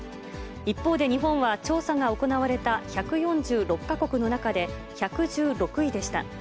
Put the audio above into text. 一方で、日本は調査が行われた１４６か国の中で１１６位でした。